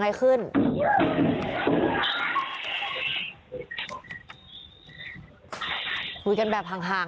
ตำรวจมาก็ไล่ตามกล้องมูลจอมปิดมาเจอแล้วแหละ